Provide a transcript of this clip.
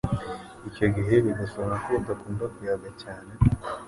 Icyo gihe bigasobanura ko udakunda kuyaga cyane,